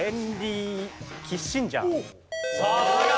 さすが！